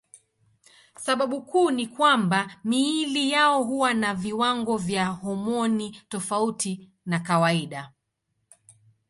Sababu kuu ni kwamba miili yao huwa na viwango vya homoni tofauti na kawaida.